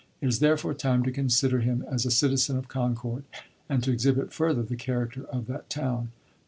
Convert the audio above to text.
It is therefore time to consider him as a citizen of Concord, and to exhibit further the character of that town.